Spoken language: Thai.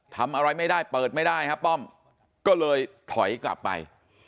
ทำอะไรไม่ได้เปิดไม่ได้ครับป้อมก็เลยถอยกลับไป